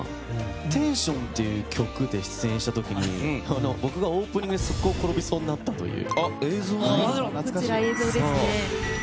「テンション」っていう曲で出演した時に僕がオープニングで速攻転びそうになったという。